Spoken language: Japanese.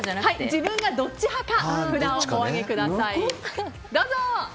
自分がどっち派か札をお上げください。